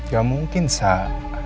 gak mungkin zah